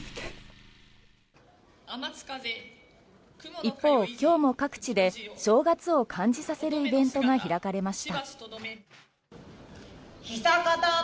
一方、今日も各地で正月を感じさせるイベントが開かれました。